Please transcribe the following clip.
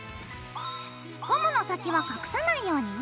ゴムの先は隠さないようにね。